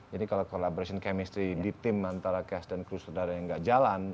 jadi kalau collaboration chemistry di tim antara cast dan crew saudara yang nggak jalan